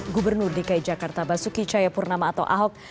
gubernur dki jakarta basuki cayapurnama atau ahok